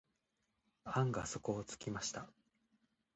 案が底をつきました。